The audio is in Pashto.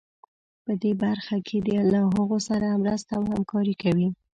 په دې برخه کې له هغوی سره مرسته او همکاري کوي.